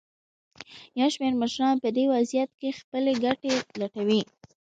یو شمېر مشران په دې وضعیت کې خپلې ګټې لټوي.